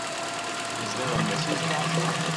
Is there a Mrs. Joshua?